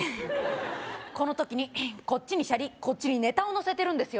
この時にこっちにシャリこっちにネタをのせてるんですよ